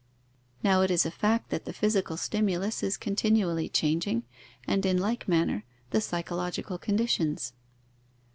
Now it is a fact, that the physical stimulus is continually changing, and in like manner the psychological conditions.